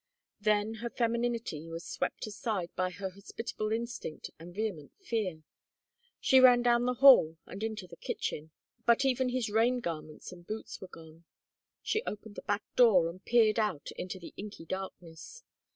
Then her femininity was swept aside by her hospitable instinct and vehement fear. She ran down the hall and into the kitchen. But even his rain garments and boots were gone. She opened the back door and peered out into the inky darkness.